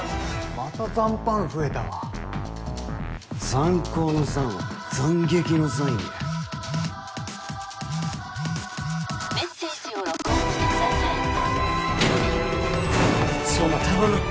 ・また残飯増えたわザン高の「ザン」は斬撃の「ザン」や☎メッセージを録音してください壮磨頼む！